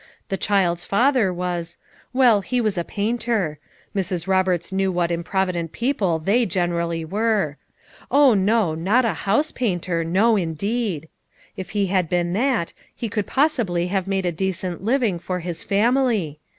The child's father was — well he was a painter; Mrs. Rob erts knew what improvident people they gen erally were. Oh, no, not a 7iou5e painter, no indeed ! if he had been that, he could probably have made a decent living for his family.